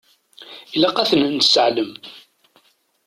Ilaq ad ten-nesseɛlem.